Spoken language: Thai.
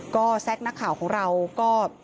ก็แซคนักข่าวของเราก็